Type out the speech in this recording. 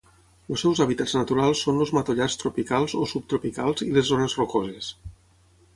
Els seus hàbitats naturals són els matollars tropicals o subtropicals i les zones rocoses.